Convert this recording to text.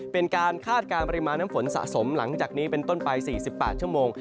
คาดการณ์ปริมาณน้ำฝนสะสมหลังจากนี้เป็นต้นไป๔๘ชั่วโมง